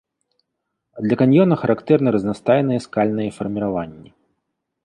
Для каньёна характэрны разнастайныя скальныя фарміраванні.